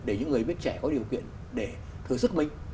để những người việt trẻ có điều kiện để thử sức minh